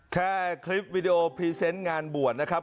แค่คลิปวิดีโอพรีเซนต์งานบวชนะครับ